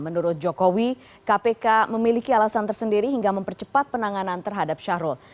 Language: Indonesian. menurut jokowi kpk memiliki alasan tersendiri hingga mempercepat penanganan terhadap syahrul